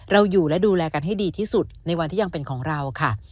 อยู่และดูแลกันให้ดีที่สุดในวันที่ยังเป็นของเราค่ะ